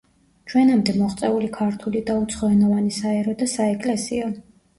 ჩვენამდე მოღწეული ქართული და უცხოენოვანი საერო და საეკლესიო.